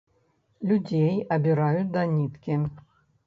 Людзей абіраюць да ніткі.